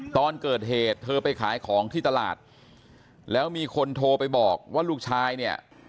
ตอนเกิดเหตุเธอไปขายของที่ตลาดแล้วมีคนโทรไปบอกว่าลูกชายเนี่ย